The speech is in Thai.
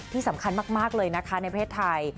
ที่สำคัญมากเลยนะคะในประเทศไทย